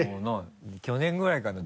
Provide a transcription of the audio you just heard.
去年ぐらいかな？